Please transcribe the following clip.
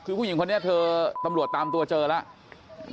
คือผู้หญิงคนนี้เธอตำรวจตามตัวเจอแล้ว